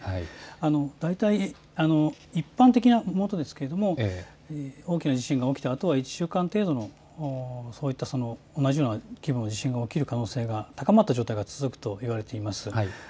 大体、一般的なものですが大きな地震が起きたあとは１週間程度、同じような規模の地震が起きる可能性が高まった状態が続くといわれています。